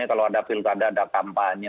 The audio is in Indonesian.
kalau ada pilkada ada kampanye